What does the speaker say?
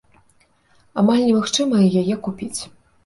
Амаль немагчыма і яе купіць.